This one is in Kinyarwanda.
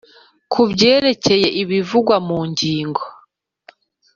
ku byerekeye ibivugwa mu ngingo